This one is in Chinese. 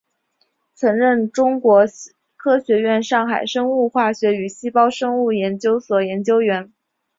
曾任中国科学院上海生物化学与细胞生物学研究所研究员。